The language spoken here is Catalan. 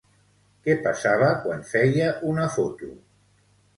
Què passava quan feia una foto?